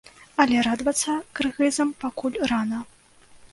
Але радавацца кыргызам пакуль рана.